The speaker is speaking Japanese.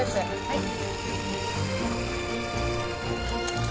はい。